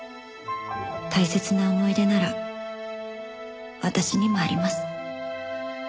「大切な思い出なら私にもあります」